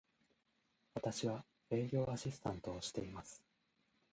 私は、営業アシスタントをしています。